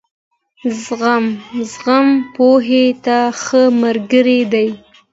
زغم، پوهې ته ښه ملګری دی.